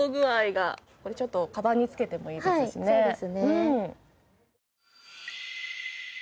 これちょっとカバンにつけてもいいですしね。